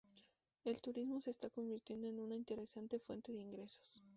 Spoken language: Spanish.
El turismo se está convirtiendo en una interesante fuente de ingresos.